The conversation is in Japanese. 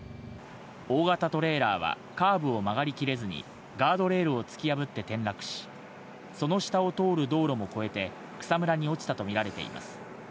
大型トレーラーはカーブを曲がりきれずに、ガードレールを突き破って転落し、その下を通る道路も越えて、草むらに落ちたと見られています。